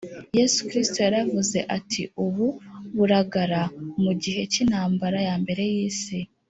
Yesu Kristo yaravuze ati ubu buragara mu gihe cy Intambara ya Mbere y Isi